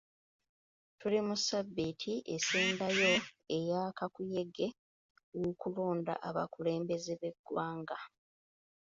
Tuli mu ssabbiiti esembayo eya kakuyege w'okulonda abakulembeze b'eggwanga.